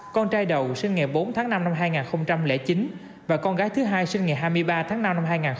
con trai đầu sinh ngày bốn tháng năm năm hai nghìn chín và con gái thứ hai sinh ngày hai mươi ba tháng năm năm hai nghìn một mươi ba